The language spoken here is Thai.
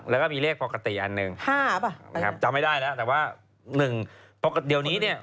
แล้วก็มีเลขปกติอันหนึ่งครับจำไม่ได้แล้วแต่ว่า๑เดี๋ยวนี้เนี่ย